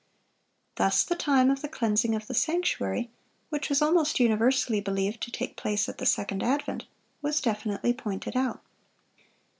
Thus the time of the cleansing of the sanctuary—which was almost universally believed to take place at the second advent—was definitely pointed out.